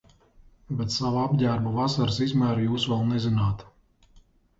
Bet sava apģērba vasaras izmēru jūs vēl nezināt